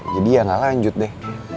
jadi ya gak lanjut deh